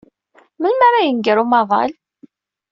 Melmi ara yenger umaḍal?